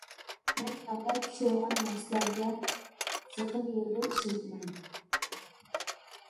مەن ياغدا پىشۇرىدىغان نەرسىلەرگە زىغىر يېغى ئىشلىتىمەن.